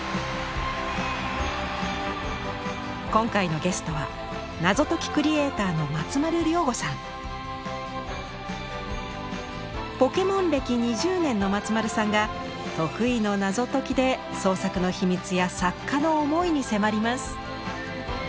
今回のゲストはポケモン歴２０年の松丸さんが得意の謎解きで創作の秘密や作家の思いに迫ります。